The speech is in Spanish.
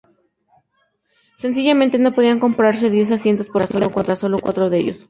Sencillamente no podían compararse diez asientos por fila contra sólo cuatro de ellos.